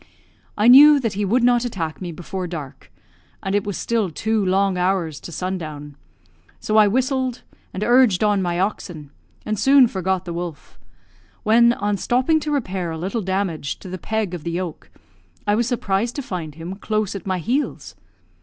I knew that he would not attack me before dark, and it was still two long hours to sundown; so I whistled, and urged on my oxen, and soon forgot the wolf when, on stopping to repair a little damage to the peg of the yoke, I was surprised to find him close at my heels.